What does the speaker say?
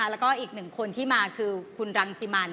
แล้วก็อีกหนึ่งคนที่มาคือคุณรังสิมัน